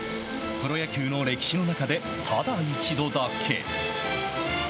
プロ野球の歴史の中でただ一度だけ。